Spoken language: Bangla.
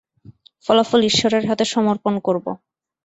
ফলাফল ঈশ্বরের হাতে সমর্পণ করব।